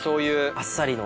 あっさりの。